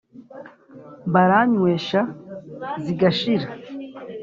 Baranywesha zigashira